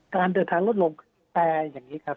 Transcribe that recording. การเดินทางลดลงแต่อย่างนี้ครับ